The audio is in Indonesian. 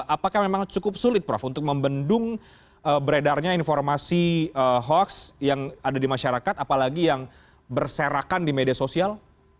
apakah memang cukup sulit prof untuk membendung beredarnya informasi hoax yang ada di masyarakat apalagi yang berserakan di media sosial